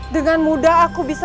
dengan mudah aku bisa